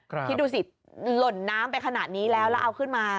คิดดูสิหล่นน้ำไปขนาดนี้แล้วแล้วเอาขึ้นมา